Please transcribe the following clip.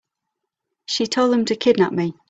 She told them to kidnap me.